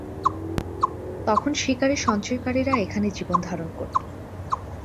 তখন শিকারী-সঞ্চয়কারীরা এখানে জীবনধারণ করতো।